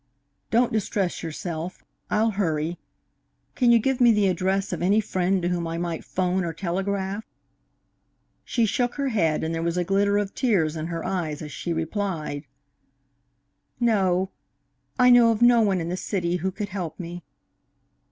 Don't distress yourself. I'll hurry. Can you give me the address of any friend to whom I might 'phone or telegraph?" She shook her head and there was a glitter of tears in her eyes as she replied: "No, I know of no one in the city who could help me."